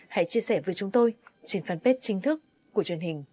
hãy chia sẻ với chúng tôi trên fanpage chính thức của truyền hình công an nhân dân